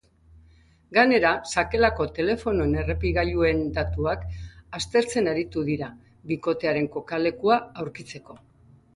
Gainera, sakelako telefonoen errepikagailuen datuak aztertzen aritu dira, bikotearen kokalekua aurkitzeko.